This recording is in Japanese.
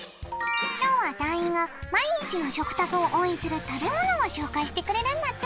今日は団員が毎日の食卓を応援する食べ物を紹介してくれるんだって！